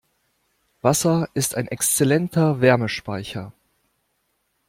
Wasser ist ein exzellenter Wärmespeicher.